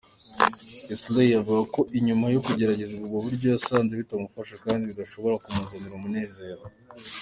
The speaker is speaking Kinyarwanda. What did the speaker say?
Isley avuga ko inyuma yo kugerageza ubwo buryo, yasanze bitamufasha kandi bidashobora kumuzanira umunezero.